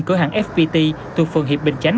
cửa hàng fpt thuộc phường hiệp bình chánh